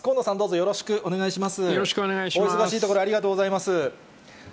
よろしくお願いします。